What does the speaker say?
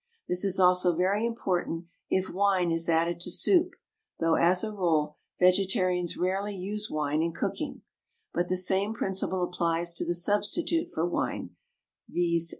This is also very important if wine is added to soup, though, as a rule, vegetarians rarely use wine in cooking; but the same principle applies to the substitute for wine viz.